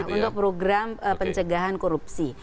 untuk program pencegahan korupsi